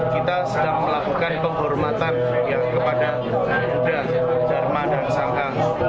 kita sedang melakukan penghormatan kepada garuda dharma dan sangka